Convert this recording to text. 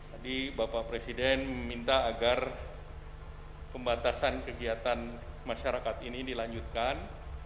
tadi bapak presiden meminta agar pembatasan kegiatan masyarakat ini dilanjutkan